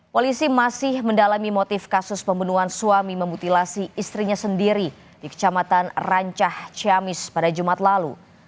polisi masih mendalami motif kasus pembunuhan suami memutilasi istrinya sendiri di kecamatan rancah ciamis pada jumat lalu